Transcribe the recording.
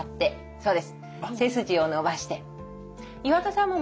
そうです。